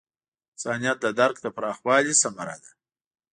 انسانیت د درک د پراخوالي ثمره ده.